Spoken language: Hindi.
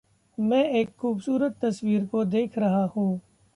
मैं एक खूबसूरत तस्वीर को देख रहा हूँ।